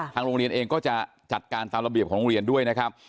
โรงเรียนเองก็จะจัดการตามระเบียบของโรงเรียนด้วยนะครับ